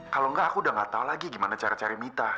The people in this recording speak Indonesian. kalau enggak aku udah gak tau lagi gimana cara cari mita